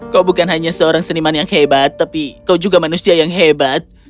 kau bukan hanya seorang seniman yang hebat tapi kau juga manusia yang hebat